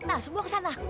nah semua kesana